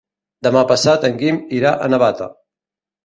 Demà passat en Guim irà a Navata.